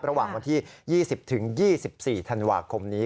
ระหว่างวันที่๒๐๒๔ธันวาคมนี้